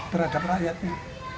terhadap rakyat ini